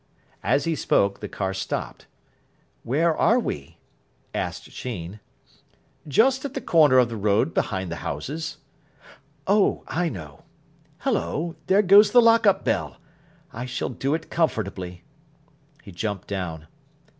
As he spoke, the car stopped. "Where are we?" asked Sheen. "Just at the corner of the road behind the houses." "Oh, I know. Hullo, there goes the lock up bell. I shall do it comfortably." He jumped down.